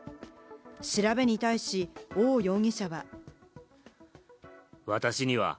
調べに対し、オウ容疑者は。